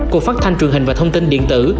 cục phát thanh truyền hình và thông tin điện tử